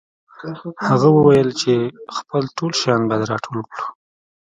هغه وویل چې خپل ټول شیان باید راټول کړو